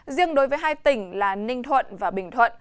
riêng đối với hai tỉnh là ninh thuận và bình thuận